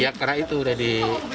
nggak mau divaksin